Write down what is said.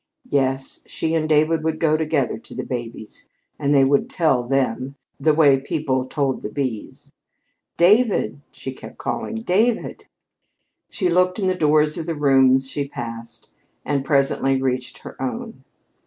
Yes, she and David would go together to the babies, and they would "tell them," the way people "told the bees." "David!" she kept calling. "David!" She looked in the doors of the rooms she passed, and presently reached her own.